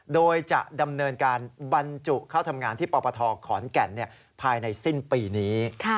โดยจะดำเนินการบรรจุเข้าทำงานที่ปปทขอนแก่นภายในสิ้นปีนี้